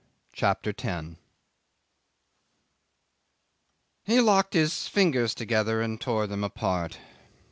."' CHAPTER 10 'He locked his fingers together and tore them apart.